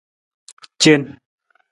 Cen.